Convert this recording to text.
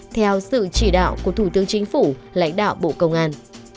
theo sự chỉ đạo của thủ tướng chính phủ lãnh đạo bộ công an